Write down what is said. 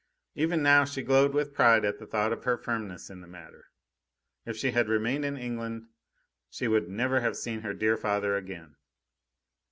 Even now she glowed with pride at the thought of her firmness in the matter. If she had remained in England she would never have seen her dear father again.